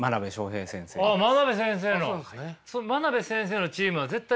あっ真鍋先生の。